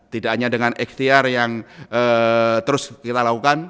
tidak hanya dengan ikhtiar yang terus kita lakukan